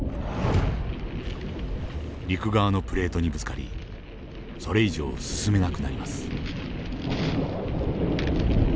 陸側のプレートにぶつかりそれ以上進めなくなります。